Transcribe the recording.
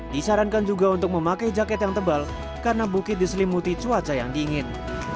disarankan juga untuk memakai jaket yang tebal karena bukit diselimuti cuaca yang dingin